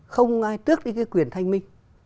không ai tước đến cái quyền thanh minh